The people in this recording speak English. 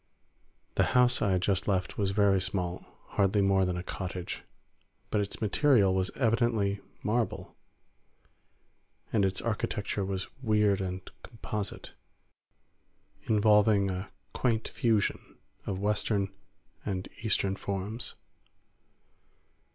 The house I had just left was very small—hardly more than a cottage—but its material was evidently marble, and its architecture was weird and composite, involving a quaint fusion of Western and Eastern forms.